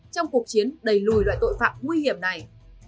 trong cuộc chiến đẩy lùi loại tội phạm nguy hiểm này